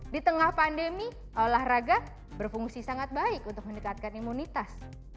di tengah pandemi olahraga berfungsi sangat baik untuk mendekatkan imunitas